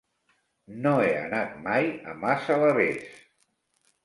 No he anat mai a Massalavés.